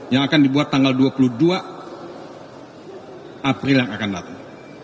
yang akan dibuat tanggal dua puluh dua april yang akan datang